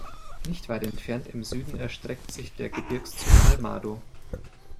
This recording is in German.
Nicht weit entfernt im Süden erstreckt sich der Gebirgszug Al Mado.